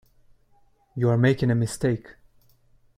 You are making a mistake.